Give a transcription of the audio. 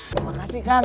terima kasih kang